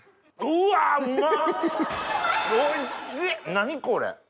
何これ！